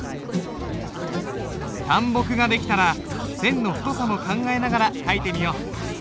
淡墨が出来たら線の太さも考えながら書いてみよう。